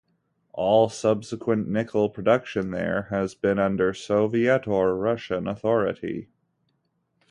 All subsequent nickel production there has been under Soviet or Russian authority.